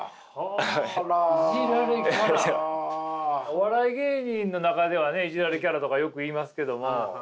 お笑い芸人の中ではイジられキャラとかよく言いますけども。